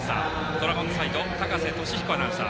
ドラゴンズサイド高瀬登志彦アナウンサー。